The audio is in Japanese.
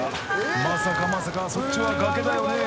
まさかまさかそっちは崖だよね？